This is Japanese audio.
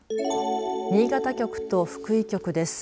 新潟局と福井局です。